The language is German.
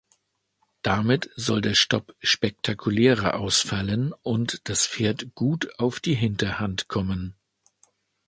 Damit soll der Stop spektakulärer ausfallen und das Pferd gut auf die Hinterhand kommen.